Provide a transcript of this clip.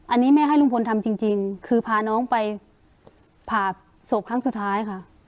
อันนี้แม่ให้ลุงพลทำจริงคือพาน้องไปผ่าศพครั้งสุดท้ายค่ะ